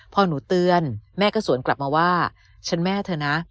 พอหนูเตือนแม่ก็สวนกลับมาว่าฉันแม่เถอะนะ